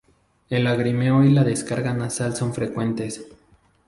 El lagrimeo y la descarga nasal son frecuentes.